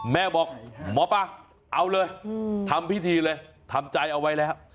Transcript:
แม่บอกหมอปลาเอาเลยทำพิธีเลยทำใจเอาไว้แล้ว